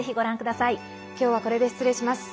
今日はこれで失礼します。